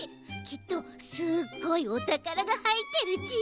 きっとすごい「おたから」がはいってるち。